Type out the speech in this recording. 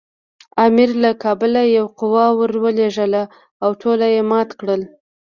امیر له کابله یوه قوه ورولېږله او ټول یې مات کړل.